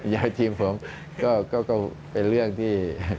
ยายทีมผมก็เป็นเรื่องที่